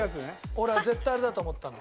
俺は絶対あれだと思ったの。